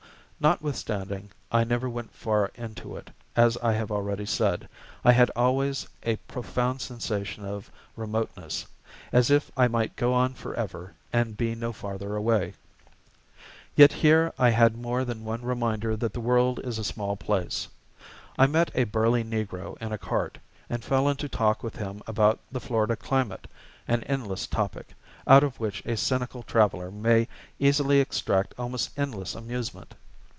Notwithstanding I never went far into it, as I have already said, I had always a profound sensation of remoteness; as if I might go on forever, and be no farther away. Yet even here I had more than one reminder that the world is a small place. I met a burly negro in a cart, and fell into talk with him about the Florida climate, an endless topic, out of which a cynical traveler may easily extract almost endless amusement.